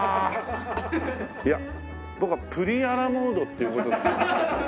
いや僕はプリンアラモードっていう事で。